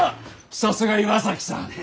さすが岩崎さん！